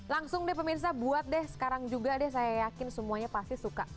langsung deh pemirsa buat deh sekarang juga deh saya yakin semuanya pasti suka